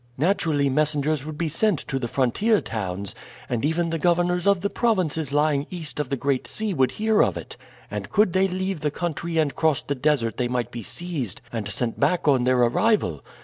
Naturally messengers would be sent to the frontier towns, and even the governors of the provinces lying east of the Great Sea would hear of it; and could they leave the country and cross the desert they might be seized and sent back on their arrival.